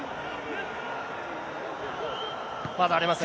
まだありますね。